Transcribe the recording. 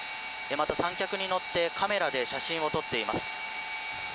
また、三脚に乗ってカメラで写真を撮っています。